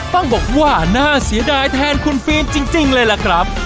ต้องบอกว่าน่าเสียดายแทนคุณฟิล์มจริงเลยล่ะครับ